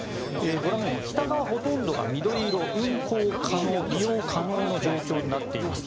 ご覧のように北側のほとんどが緑色、利用可能な状況になっています。